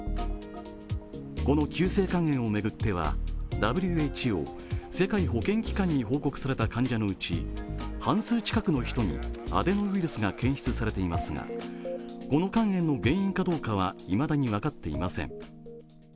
この急性肝炎を巡ってはＷＨＯ＝世界保健機関に報告された患者のうち半数近くの人にアデノウイルスが検出されていますがこの肝炎の原因かどうかはいまだに分かっていません。